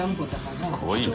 すごいな。